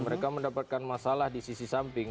mereka mendapatkan masalah di sisi samping